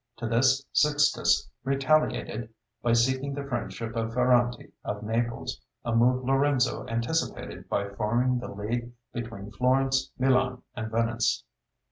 To this Sixtus retaliated by seeking the friendship of Ferrante of Naples, a move Lorenzo anticipated by forming the league between Florence, Milan, and Venice.